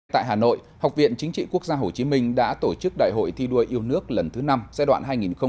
tại hà nội học viện chính trị quốc gia hồ chí minh đã tổ chức đại hội thi đua yêu nước lần thứ năm giai đoạn hai nghìn hai mươi hai nghìn hai mươi năm